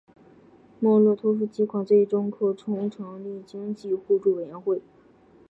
莫洛托夫计划最终扩充成立经济互助委员会。